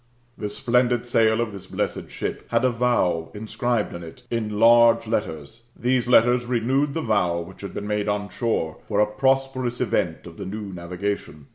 The splendid sail of thi& blesaed ship had a vow inscribed in it in large letters. These letters renewed the vow [which had been made on shore] for a (Hosperous event of the new navigation.